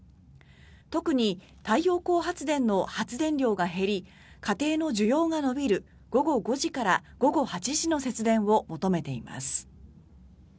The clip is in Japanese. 特に太陽光発電の発電量が減り家庭の需要が伸びる午後５時から午後８時の節電を求めています。